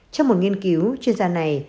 trong một nghiên cứu chuyên gia này